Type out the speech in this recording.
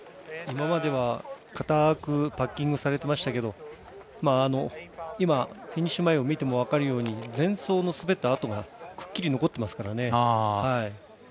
今まではかたくパッキングされてましたけど今、フィニッシュ前を見ても分かるように前走の滑った跡がくっきり残ってますからね。